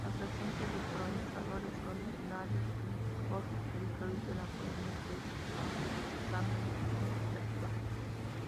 La presencia de colonizadores originarios de otros territorios de la corona fue escasamente significativa.